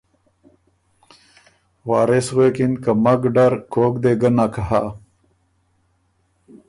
وارث غوېکِن که ”مک ډر کوک دې ګۀ نک هۀ۔